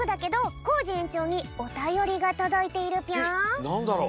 えっなんだろう？